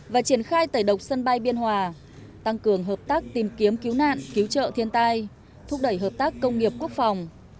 và triển khai tẩy độc sân bay biên hòa tăng cường hợp tác tìm kiếm cứu nạn cứu trợ thiên tai thúc đẩy hợp tác công nghiệp quốc phòng